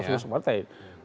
iya fokus ke partai